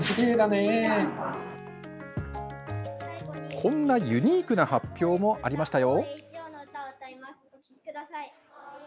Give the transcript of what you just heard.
こんなユニークな発表もありましたよ。